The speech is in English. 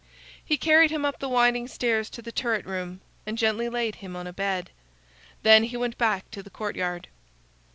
He carried him up the winding stairs to the turret room, and gently laid him on a bed. Then he went back to the courtyard.